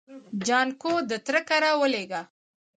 جانکو د تره کره ولېږه.